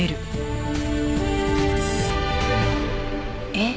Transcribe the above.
えっ？